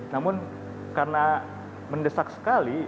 namun karena mendesak sekali